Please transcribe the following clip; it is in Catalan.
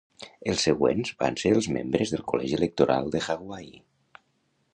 Els següents van ser els membres del Col·legi Electoral de Hawaii.